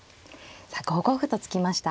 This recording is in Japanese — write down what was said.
５五歩と突きました。